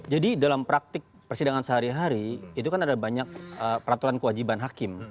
jadi kalau kita lihat praktik persidangan sehari hari itu kan ada banyak peraturan kewajiban hakim